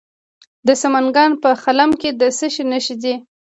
د سمنګان په خلم کې د څه شي نښې دي؟